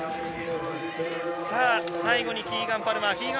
最後にキーガン・パルマー。